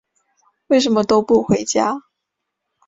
为什么都不回家？